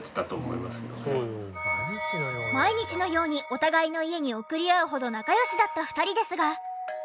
毎日のようにお互いの家に送り合うほど仲良しだった２人ですが。